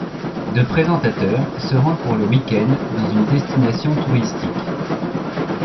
Deux présentateurs se rendent pour le week-end dans une destination touristique.